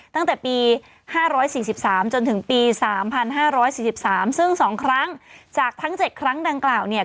ตั้งแต่ปี๕๔๓จนถึงปี๓๕๔๓ซึ่ง๒ครั้งจากทั้ง๗ครั้งดังกล่าวเนี่ย